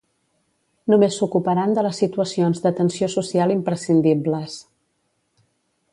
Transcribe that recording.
Només s'ocuparan de les situacions d'atenció social imprescindibles.